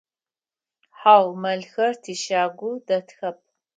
Хьау, мэлхэр тищагу дэтхэп.